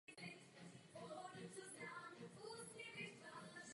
Tvořila ho pouze severní část města Nancy.